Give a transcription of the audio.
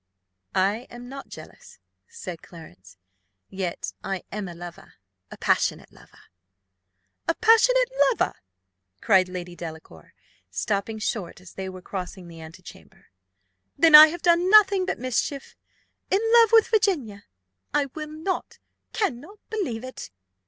"I am not jealous," said Clarence, "yet I am a lover a passionate lover." "A passionate lover!" cried Lady Delacour, stopping short as they were crossing the antechamber: "then I have done nothing but mischief. In love with Virginia? I will not cannot believe it."